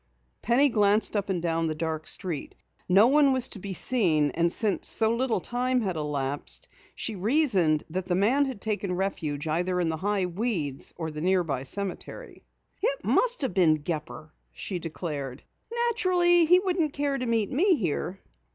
Penny glanced up and down the dark street. No one was to be seen, and since so little time had elapsed, she reasoned that the man had taken refuge either in the high weeds or the nearby cemetery. "It must have been Gepper," she declared. "Naturally he wouldn't care to meet me here."